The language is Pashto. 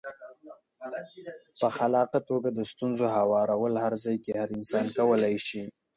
په خلاقه توګه د ستونزو هوارول هر ځای کې هر انسان کولای شي.